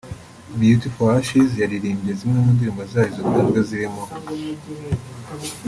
Beauty For Ashes yaririmbye zimwe mu ndirimbo zayo zikunzwe zirimo